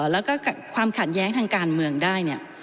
แล้วก็ความขัดแย้งทางการเมืองได้เนี่ย